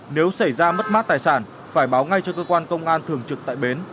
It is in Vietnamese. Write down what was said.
nếu xảy ra mất mát tài sản phải báo ngay cho cơ quan công an thường trực tại bến